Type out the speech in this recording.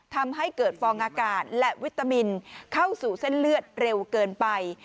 ทำให้เกิดฟองอากาศและวิตามินเข้าสู่เส้นเลือดเร็วเกินไป